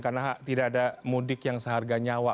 karena tidak ada mudik yang seharga nyawa